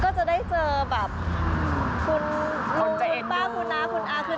ก็จะได้เจอแบบคุณลุงคุณป้าคุณน้าคุณอาคือ